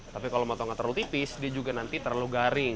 tapi kalau motongnya terlalu tipis dia juga nanti terlalu garing